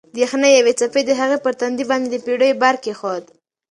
د یخنۍ یوې څپې د هغې پر تندي باندې د پېړیو بار کېښود.